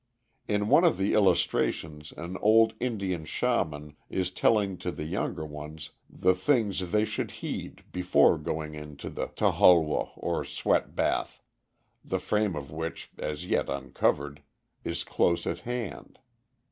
In one of the illustrations an old Indian Shaman is telling to the younger ones the things they should heed before going into the toholwoh, or sweat bath, the frame of which (as yet uncovered) is close at hand.